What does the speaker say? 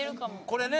これね。